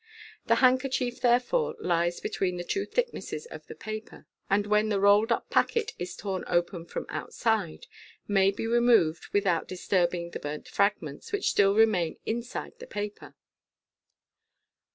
The handkerchief, therefore, lies between the two thicknesses of the paper, and when the rolled up packet is torn open from outside, may be removed without dis turbing the burnt fragments, which still remain inside the paper.